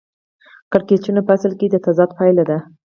کړکېچونه په اصل کې د تضاد پایله ده